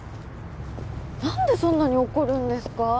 何でそんなに怒るんですか？